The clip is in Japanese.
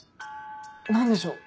何でしょう